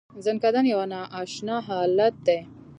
ځنکدن یو نا اشنا حالت دی .